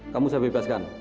kamu saya bebaskan